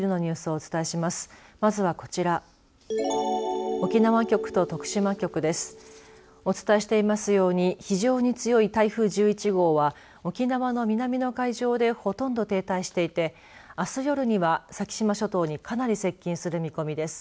お伝えしていますように非常に強い台風１１号は沖縄の南の海上でほとんど停滞していてあす夜には先島諸島にかなり接近する見込みです。